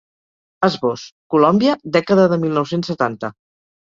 Esbós: Colòmbia, dècada de mil nou-cents setanta.